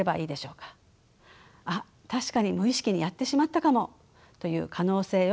「あ確かに無意識にやってしまったかも」という可能性を考えることは大切です。